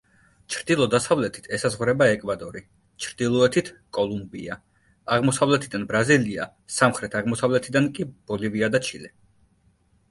ჩრდილო-დასავლეთით ესაზღვრება ეკვადორი, ჩრდილოეთით კოლუმბია, აღმოსავლეთიდან ბრაზილია, სამხრეთ აღმოსავლეთიდან კი ბოლივია და ჩილე.